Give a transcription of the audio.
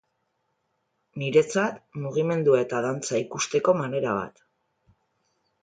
Niretzat mugimendua eta dantza ikusteko manera bat.